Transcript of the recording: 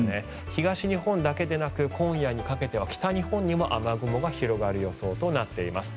東日本だけでなく今夜にかけては北日本にも雨雲が広がる予想となっています。